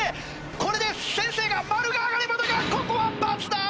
これで先生がマルが上がればだがここはバツだー！